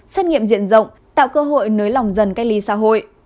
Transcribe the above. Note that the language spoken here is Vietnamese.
xét nghiệm diện rộng tạo cơ hội nới lỏng dần cách ly xã hội